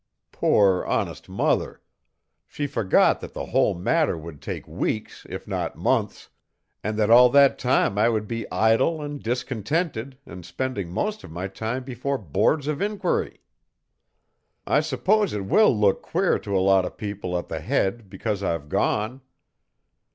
Poor, honest mother! She forgot that the whole matter would take weeks, if not months, and that all that time I would be idle and discontented, and spending most of my time before boards of inquiry. "I suppose it will look queer to a lot of people at the Head because I've gone.